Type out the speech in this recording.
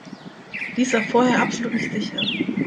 Dies war vorher absolut nicht sicher!